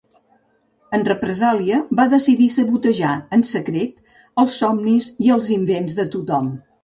En represàlia, van decidir sabotejar en secret els somnis i els invents de tothom.